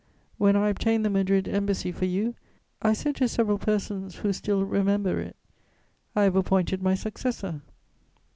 When I obtained the Madrid Embassy for you, I said to several persons who still remember it: "'I have appointed my successor.'